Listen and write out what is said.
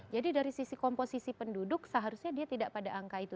jadi dari sisi komposisi penduduk seharusnya dia tidak pada angka itu